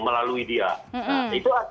melalui penjagaan yang tersebut